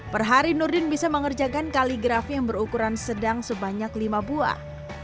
perhari nurdin bisa mengerjakan kaligrafi yang berukuran sedang sebanyak lima buah